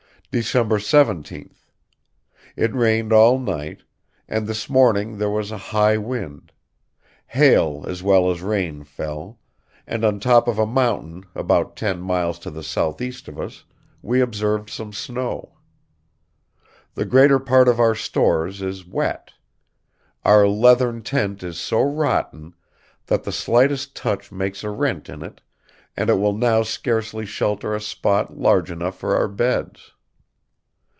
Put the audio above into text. "December 17th. It rained all night, and this morning there was a high wind; hail as well as rain fell; and on the top of a mountain about ten miles to the southeast of us we observed some snow. The greater part of our stores is wet; our leathern tent is so rotten that the slightest touch makes a rent in it, and it will now scarcely shelter a spot large enough for our beds.